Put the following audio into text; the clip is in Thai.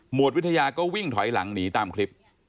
วดวิทยาก็วิ่งถอยหลังหนีตามคลิป